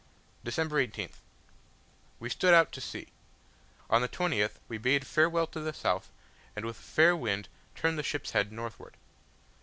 December 18th. We stood out to sea. On the 20th we bade farewell to the south, and with a fair wind turned the ship's head northward.